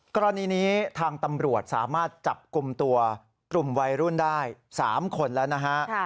กรณีนี้ทางตำรวจสามารถจับกลุ่มตัวกลุ่มวัยรุ่นได้๓คนแล้วนะฮะ